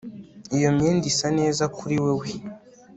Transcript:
Iyo myenda isa neza kuri wewe